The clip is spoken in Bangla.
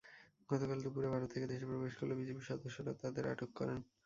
গতকাল দুপুরে ভারত থেকে দেশে প্রবেশ করলে বিজিবি সদস্যরা তাঁদের আটক করেন।